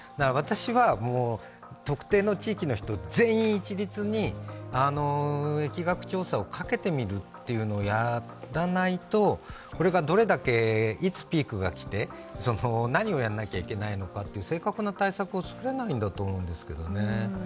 私は特定の地域の人全員一律に疫学調査をかけてみるというのをやらないと、これがどれだけ、いつピークが来て何をやらなきゃいけないか、正確な対策を作れないんだと思うんでけどね。